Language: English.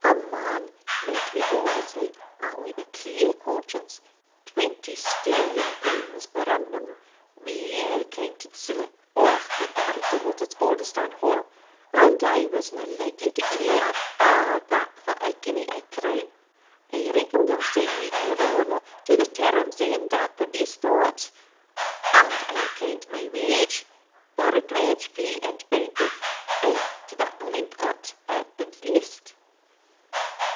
A man might make honestly, and wi' a clear conscience, twenty sterling pounds per annum, weel counted siller, o' the garden at Osbaldistone Hall, and I wasna likely to gi'e up a' that for a guinea, I trow I reckoned on staying wi' your honour to the term's end at the least o't; and I account my wage, board wage, fee and bountith, ay, to that length o't at the least."